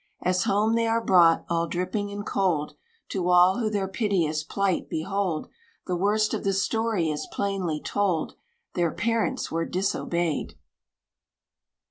As home they are brought, all dripping and cold, To all who their piteous plight behold, The worst of the story is plainly told Their parents were disobeyed!